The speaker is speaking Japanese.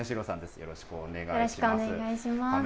よろしくお願いします。